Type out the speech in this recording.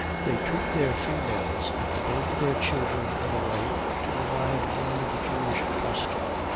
They treat their females at the birth of their children in a way to remind one of the Jewish custom.